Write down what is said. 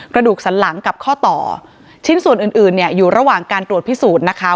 กระดูกสันหลังกับข้อต่อชิ้นส่วนอื่นอื่นเนี่ยอยู่ระหว่างการตรวจพิสูจน์นะคะ